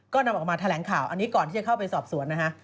ก็นำออกมาแถลงข่าวอันนี้ก่อนที่จะเข้าไปสอบสวนนะฮะ